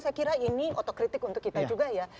saya kira ini otokritik untuk kita juga ya